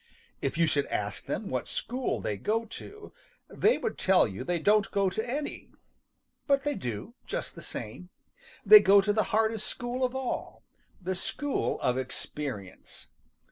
If you should ask them what school they go to, they would tell you they don't go to any. But they do just the same. They go to the hardest school of all, the school of experience.